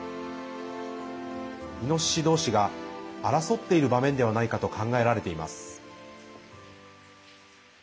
イノシシどうしが争っている場面ではないかと考えられています。